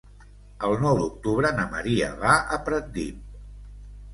El nou d'octubre na Maria va a Pratdip.